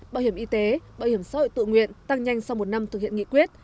bảo hiểm y tế bảo hiểm xã hội tự nguyện tăng nhanh sau một năm thực hiện nghị quyết